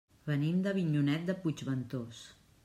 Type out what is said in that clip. Venim d'Avinyonet de Puigventós.